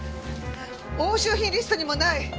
押収品リストにもない！